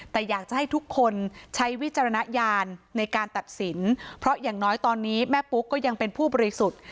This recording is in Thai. แต่อยากจะให้ทุกคนใช้วิจารณญาณในการตัดสินเพราะอย่างน้อยตอนนี้แม่ปุ๊กก็ยังเป็นผู้บริสุทธิ์